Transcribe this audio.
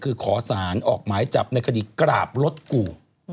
คือขอสารออกหมายจับในคดีกราบรถกู